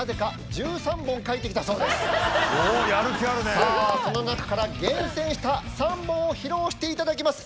さあその中から厳選した３本を披露して頂きます。